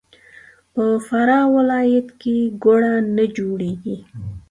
په فراه ولایت کې ګوړه نه جوړیږي.